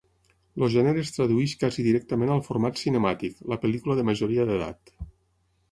El gènere es tradueix casi directament al format cinemàtic, la pel·lícula de majoria d"edat.